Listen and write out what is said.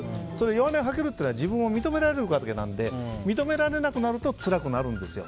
弱音を吐けるということは自分を認められるということなので認められなくなるとつらくなるんですよ。